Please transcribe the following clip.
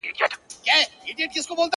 هغه جنتي حوره ته انسانه دا توپیر دی,